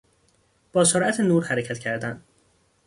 با سرعت نور حرکت کردن